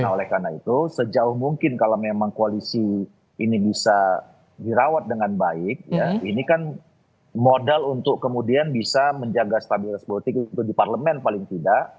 nah oleh karena itu sejauh mungkin kalau memang koalisi ini bisa dirawat dengan baik ini kan modal untuk kemudian bisa menjaga stabilitas politik itu di parlemen paling tidak